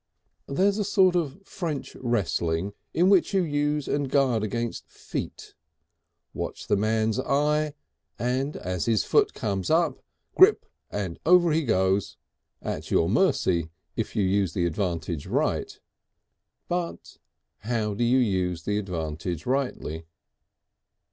There's a sort of French wrestling in which you use and guard against feet. Watch the man's eye, and as his foot comes up, grip and over he goes at your mercy if you use the advantage right. But how do you use the advantage rightly?